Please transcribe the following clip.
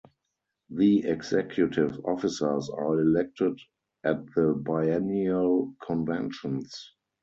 The Executive Officers are elected at the biennial conventions.